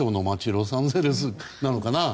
ロサンゼルスなのかな。